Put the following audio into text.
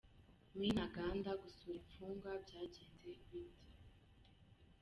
Me Ntaganda gusura infungwa byagenze bite ?